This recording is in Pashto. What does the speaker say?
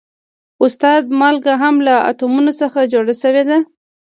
استاده مالګه هم له اتومونو څخه جوړه شوې ده